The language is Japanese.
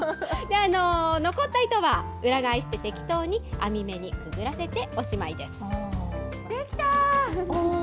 残った糸は裏返して適当に編み目にくぐらせておしまいです。